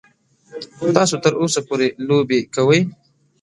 تاسو تر اوسه پورې لوبې کوئ.